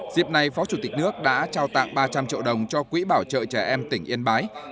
dịp này phó chủ tịch nước đã trao tặng ba trăm linh triệu đồng cho quỹ bảo trợ trẻ em tỉnh yên bái